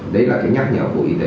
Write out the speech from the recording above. đấy là cái nhắc nhở của y tế